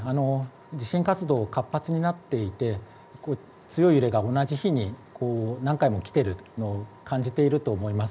そうですね地震活動、活発になっていて強い揺れが同じ日に何回もきているのを感じていると思います。